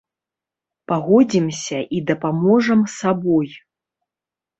Пагодзімся і дапаможам сабой.